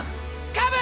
カブ！